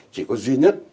chỉ có duy nhất